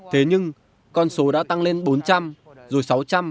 thế nhưng con số đã tăng lên bốn trăm linh rồi sáu trăm linh tám trăm linh